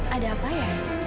ada apa ya